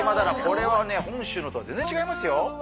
これはね本州のとは全然違いますよ！